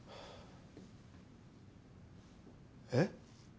えっ？